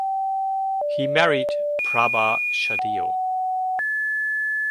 He married Prabha Shahdeo.